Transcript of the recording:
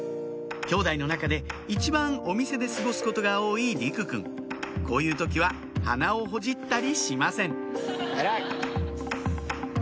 きょうだいの中で一番お店で過ごすことが多い莉来くんこういう時は鼻をほじったりしません偉い。